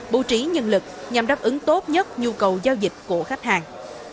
bư trí nhân lực nhằm đáp ứng tốt nhất nhu cầu giao dịch của khách hàng